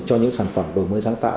cho những sản phẩm đổi mới sáng tạo